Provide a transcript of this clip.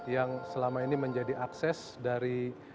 yang selama ini menjadi akses dari